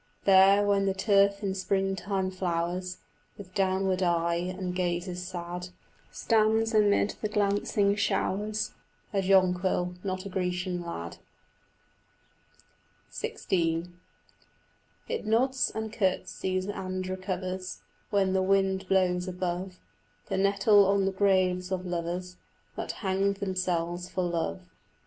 There, when the turf in springtime flowers, With downward eye and gazes sad, Stands amid the glancing showers A jonquil, not a Grecian lad. XVI It nods and curtseys and recovers When the wind blows above, The nettle on the graves of lovers That hanged themselves for love.